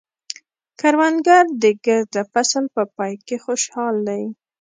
کروندګر د ګرده فصل په پای کې خوشحال دی